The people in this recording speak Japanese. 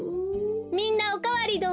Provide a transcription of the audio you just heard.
みんなおかわりどう？